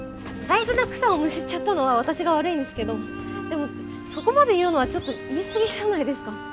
大事な草をむしっちゃったのは私が悪いんですけどでもそこまで言うのはちょっと言い過ぎじゃないですか。